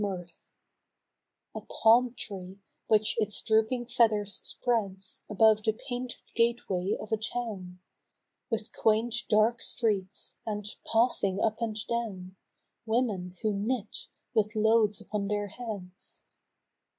I02 A Dream of the South, A palm tree which its drooping feathers spreads Above the painted gateway of a town With quaint dark streets, and, passing up and down,; Women who knit, with loads upon their heads.